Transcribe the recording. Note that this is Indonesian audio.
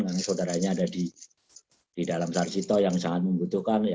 karena saudaranya ada di dalam sarjito yang sangat membutuhkan